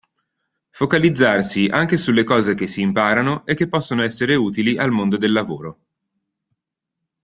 Focalizzarsi anche sulle cose che si imparano e che possono essere utili al mondo del lavoro.